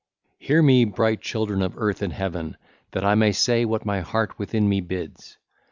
644 653) 'Hear me, bright children of Earth and Heaven, that I may say what my heart within me bids.